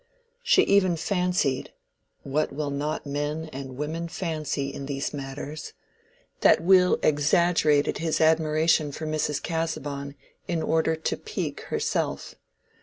She even fancied—what will not men and women fancy in these matters?—that Will exaggerated his admiration for Mrs. Casaubon in order to pique herself.